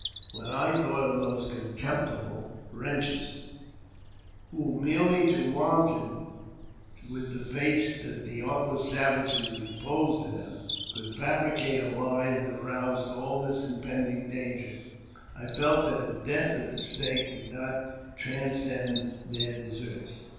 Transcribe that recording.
When I thought of those contemptible wretches, who, )rely to wanton with the faith that the artless savages iposed in them, could fabricate a lie, and arouse all this 328 AUTOBIOGRAPHY OF impending danger, I felt that a death at the stake would not transcend their deserts.